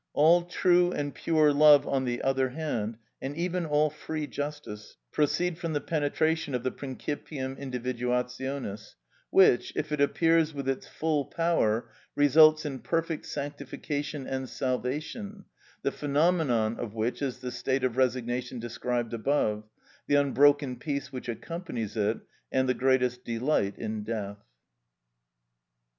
All true and pure love, on the other hand, and even all free justice, proceed from the penetration of the principium individuationis, which, if it appears with its full power, results in perfect sanctification and salvation, the phenomenon of which is the state of resignation described above, the unbroken peace which accompanies it, and the greatest delight in death.